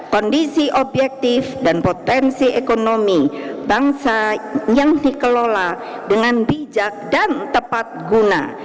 kondisi objektif dan potensi ekonomi bangsa yang dikelola dengan bijak dan tepat guna